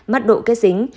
mất độ kết dính